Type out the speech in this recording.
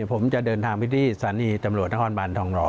ผมจะเดินทางไปที่สรรค์นี้จำรวจนครบันทองรอ